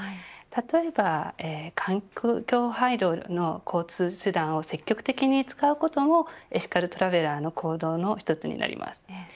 例えば環境配慮の交通手段を積極的に使うこともエシカルトラベラーの行動の一つになります。